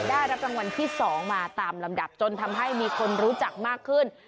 ได้รับรางวัลที่๒มาตามลำดับจนทำให้มีคนรู้จักมากขึ้น